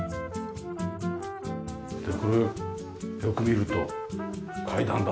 これがよく見ると階段だ。